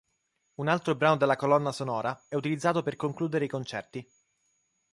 Un altro brano della colonna sonora è utilizzato per concludere i concerti.